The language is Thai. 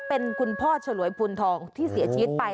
เป็นคุณพ่อฉลวยพูนทองที่เสียชีวิตไป